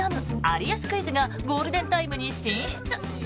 「有吉クイズ」がゴールデンタイムに進出。